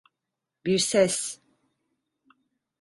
Bir ses.